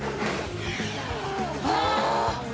ああ！